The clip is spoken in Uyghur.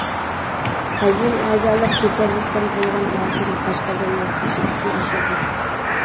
ھەزىم ئەزالىرى كېسەللىكلىرىگە بولغان تەسىرى: ئاشقازاننىڭ تۇتۇش كۈچىنى ئاشۇرىدۇ.